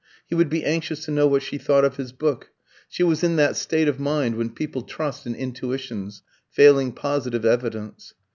He would be anxious to know what she thought of his book. She was in that state of mind when people trust in intuitions, failing positive evidence.